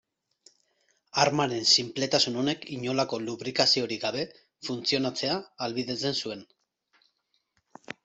Armaren sinpletasun honek inolako lubrikaziorik gabe funtzionatzea ahalbidetzen zuen.